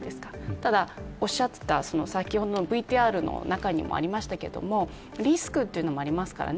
ただ、おっしゃっていた先ほどのＶＴＲの中にもありましたがリスクもありますからね